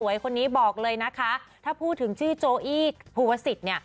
คนนี้บอกเลยนะคะถ้าพูดถึงชื่อโจอี้ภูวสิทธิ์เนี่ย